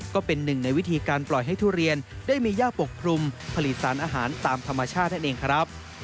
ก็เป็นหนึ่งในวิธีการปล่อยให้ทุเรียนได้มีย่าปกคลุมผลิตสารอาหารตามธรรมชาตินั่นเองครับ